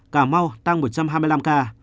cà mau tăng một trăm hai mươi năm ca